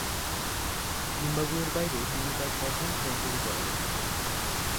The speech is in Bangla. জিম্বাবুয়ের বাইরে তিনি তার প্রথম সেঞ্চুরি করেন।